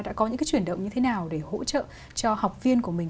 đã có những cái chuyển động như thế nào để hỗ trợ cho học viên của mình